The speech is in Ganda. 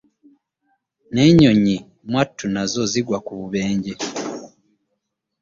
Ne nyonyi mwatu nazo zigwa ku bubenje.